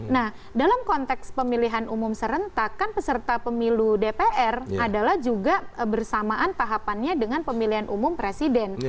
nah dalam konteks pemilihan umum serentak kan peserta pemilu dpr adalah juga bersamaan tahapannya dengan pemilihan umum presiden